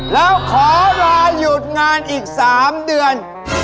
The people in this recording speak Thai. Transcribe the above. แล้วขอรอหยุดงานอีก๓เดือน